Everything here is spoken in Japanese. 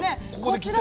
こちら。